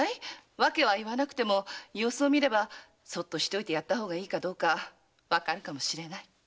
訳は言わなくても様子を見ればそっとしておいてやった方がいいかどうかわかるかもしれない。